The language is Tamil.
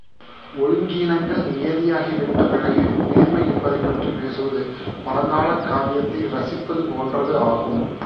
ஒழுங்கீனங்கள் நியதியாகி விட்ட பிறகு நேர்மை என்பதைப் பற்றிப் பேசுவது பழங்காலக் காவியத்தை ரசிப்பது போன்றது ஆகும்.